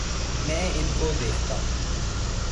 میں ان کو دیکھتا